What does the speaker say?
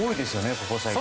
ここ最近。